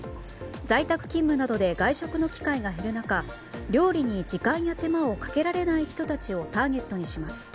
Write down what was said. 在宅勤務などで外食の機会が減る中料理に時間や手間をかけられない人たちをターゲットにします。